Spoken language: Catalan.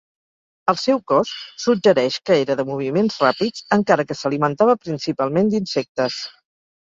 El seu cos suggereix que era de moviments ràpids, encara que s'alimentava principalment d'insectes.